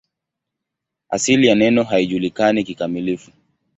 Asili ya neno haijulikani kikamilifu.